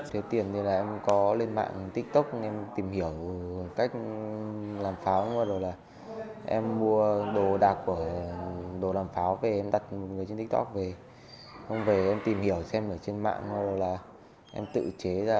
thứ tiền thì là em có lên mạng tiktok em tìm hiểu cách làm pháo em mua đồ đạc của đồ làm pháo về em đặt một người trên tiktok về không về em tìm hiểu xem ở trên mạng